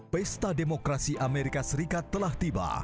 pesta demokrasi amerika serikat telah tiba